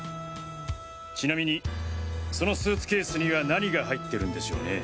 ちなみにそのスーツケースには何が入ってるんでしょうね？